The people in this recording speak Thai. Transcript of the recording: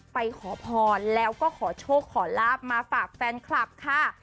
ขอพรแล้วก็ขอโชคขอลาบมาฝากแฟนคลับค่ะ